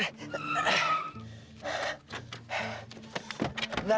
bentar ya bentar ya